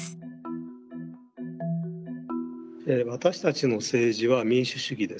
私たちの政治は民主主義です。